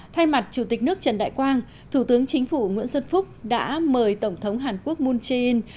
thay mặt chủ tịch nước trần đại quang thủ tướng chính phủ nguyễn xuân phúc đã mời tổng thống hàn quốc moon jae in